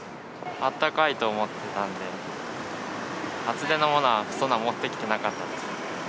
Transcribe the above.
あったかいと思ってたんで、厚手のものは、そんな持ってきてなかったですね。